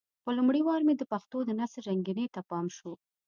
په لومړي وار مې د پښتو د نثر رنګينۍ ته پام شو.